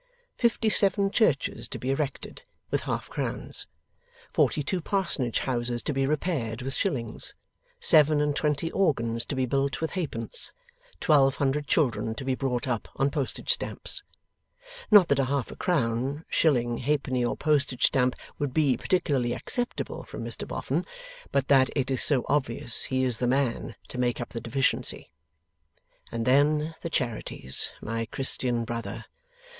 Fifty seven churches to be erected with half crowns, forty two parsonage houses to be repaired with shillings, seven and twenty organs to be built with halfpence, twelve hundred children to be brought up on postage stamps. Not that a half crown, shilling, halfpenny, or postage stamp, would be particularly acceptable from Mr Boffin, but that it is so obvious he is the man to make up the deficiency. And then the charities, my Christian brother!